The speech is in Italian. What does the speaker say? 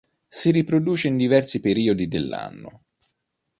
Si riproduce in diversi periodi dell'anno.